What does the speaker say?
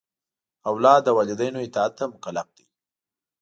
اولاد د والدینو اطاعت ته مکلف دی.